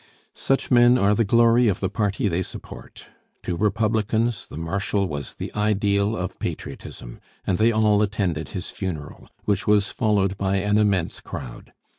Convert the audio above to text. Such men are the glory of the party they support. To Republicans, the Marshal was the ideal of patriotism; and they all attended his funeral, which was followed by an immense crowd.